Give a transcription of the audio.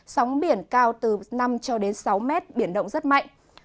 sóng biển cao từ năm cho đến sáu mét biển động rất mạnh